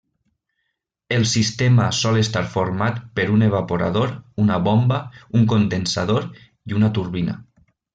El sistema sol estar format per un evaporador, una bomba, un condensador i una turbina.